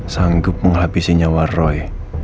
sanggup menghabisi nyawa roy